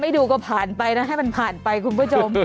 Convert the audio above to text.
ดูก็ผ่านไปนะให้มันผ่านไปคุณผู้ชม